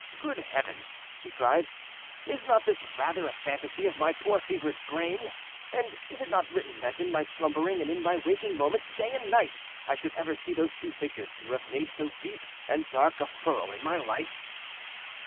"Great Heaven!" he cried, "is not this rather a phantasy of my poor fevered brain, and is it not written that in my slumbering and in my waking moments, day and night, I should ever see those two figures who have made so deep and dark a furrow in my life?